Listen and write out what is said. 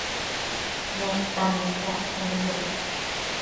Nestan nete acte nibëdec